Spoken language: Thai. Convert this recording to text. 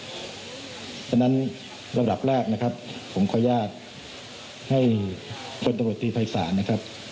เพราะฉะนั้นระดับแรกนะครับผมขออนุญาตให้พศภัยศาสน์นะครับ